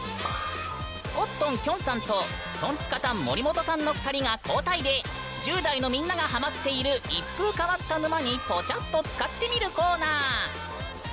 コットンきょんさんとトンツカタン森本さんの２人が交代で１０代のみんながハマっている一風変わった沼にポチャっとつかってみるコーナー。